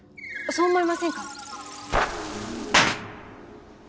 そう思いませんか？